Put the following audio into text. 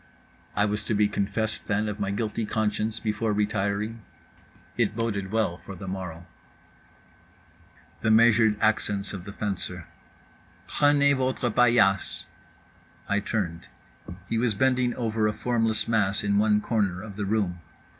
I was to be confessed, then, of my guilty conscience, before retiring? It boded well for the morrow. … the measured accents of the fencer: "Prenez votre paillasse." I turned. He was bending over a formless mass in one corner of the room.